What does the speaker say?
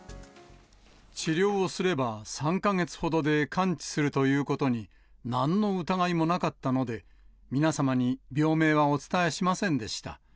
治療をすれば３か月ほどで完治するということに、なんの疑いもなかったので、皆様に病名はお伝えしませんでした。